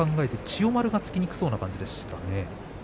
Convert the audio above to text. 千代丸が突きにくそうでしたね。